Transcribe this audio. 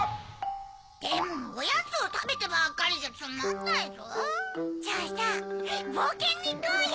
でもおやつをたべてばっかりじゃつまんないゾウ。じゃあさぼうけんにいこうよ！